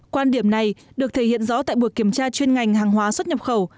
quan điểm này được thể hiện rõ tại buổi kiểm tra chuyên ngành hàng hóa xuất nhập khẩu